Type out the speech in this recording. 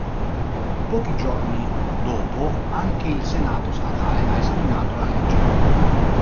Pochi giorni dopo, anche il Senato statale ha esaminato la legge.